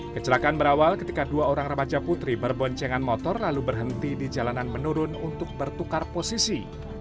kecelakaan berawal ketika dua orang remaja putri berboncengan motor lalu berhenti di jalanan menurun untuk bertukar posisi